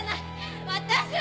私は！